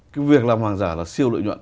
cái việc làm hoàng giả là siêu lợi nhuận